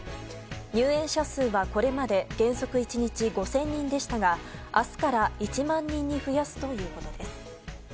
入園者数はこれまで原則１日５０００人でしたが明日から１万人に増やすということです。